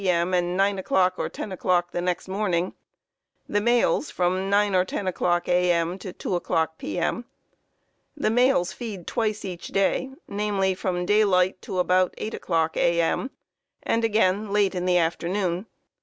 M. and 9 o'clock or 10 o'clock the next morning; the males from 9 or 10 o'clock A.M. to 2 o'clock P.M. The males feed twice each day, namely, from daylight to about 8 o'clock A.M. and again late in the afternoon.